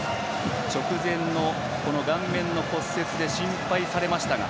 直前の顔面の骨折で心配されましたが。